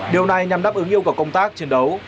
điều này nhằm đáp ứng yêu cầu công tác chiến đấu